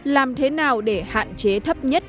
làm thế nào để hạn chế thấp nhất